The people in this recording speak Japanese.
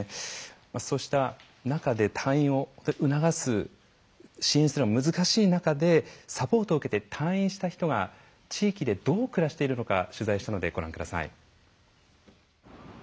そうした中で退院を促す支援するのは難しい中でサポートを受けて退院した人が地域で、どう暮らしているのか取材しました。